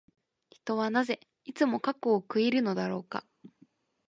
人はなぜ、いつも過去を悔いるのだろうか。